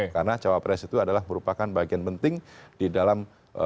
karena cawapres itu adalah merupakan bagian penting di dalam